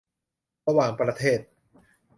ระหว่างประเทศ